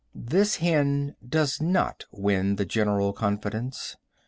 This hen does not win the general confidence.